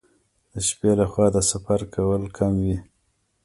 د شپې لخوا د سفر کول کم وي.